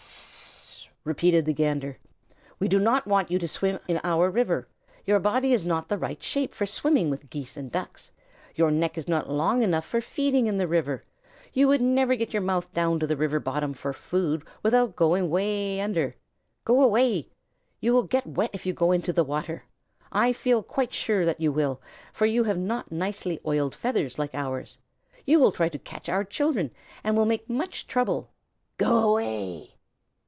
"S s s s s!" repeated the Gander. "We do not want you to swim in our river. Your body is not the right shape for swimming with Geese and Ducks. Your neck is not long enough for feeding in the river. You could never get your mouth down to the river bottom for food without going way under. Go away! You will get wet if you go into the water. I feel quite sure that you will, for you have not nicely oiled feathers like ours. You will try to catch our children and will make us much trouble. Go away!"